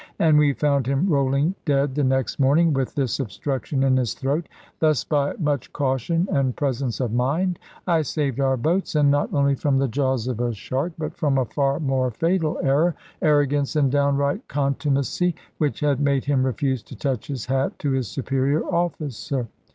And we found him rolling dead the next morning, with this obstruction in his throat. Thus by much caution and presence of mind, I saved our boatswain not only from the jaws of a shark, but from a far more fatal error, arrogance and downright contumacy, which had made him refuse to touch his hat to his superior officer.